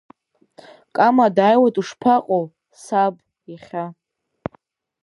Кама дааиуеит ушԥаҟоу, саб, иахьа?